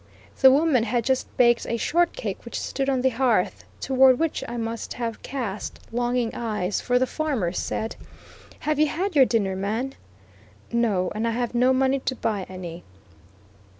The woman had just baked a short cake which stood on the hearth, toward which I must have cast longing eyes, for the farmer said: "Have you had your dinner, man?" "No, and I have no money to buy any."